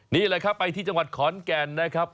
นี่แหละครับไปที่จังหวัดขอนแก่นนะครับ